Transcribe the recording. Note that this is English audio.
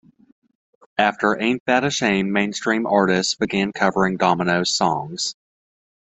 After "Ain't That a Shame", mainstream artists began covering Domino's songs.